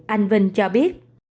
anh vinh cho biết